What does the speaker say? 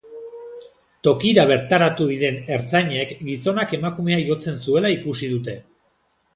Tokira bertaratu diren ertzainek gizonak emakumea jotzen zuela ikusi dute.